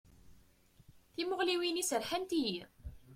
Timuɣliwin-is rḥant-iyi.